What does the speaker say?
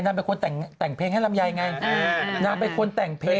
นางเป็นคนแต่งเพลงให้ลำไยไงนางเป็นคนแต่งเพลง